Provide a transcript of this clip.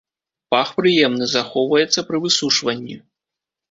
Пах прыемны, захоўваецца пры высушванні.